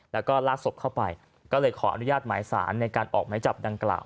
แล้วก็ลากศพเข้าไปก็เลยขออนุญาตหมายสารในการออกไม้จับดังกล่าว